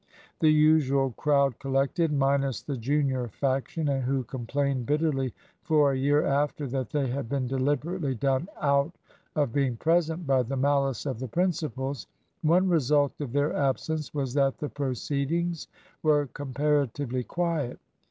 The usual crowd collected, minus the junior faction, who complained bitterly for a year after that they had been deliberately done out of being present by the malice of the principals. One result of their absence was that the proceedings were comparatively quiet.